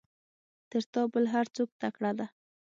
تر تا بل هر څوک تکړه ده.